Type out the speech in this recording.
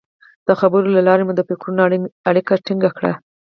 د خبرو له لارې مو د فکرونو اړیکه ټینګه کړه.